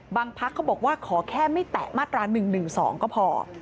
พักเขาบอกว่าขอแค่ไม่แตะมาตรา๑๑๒ก็พอ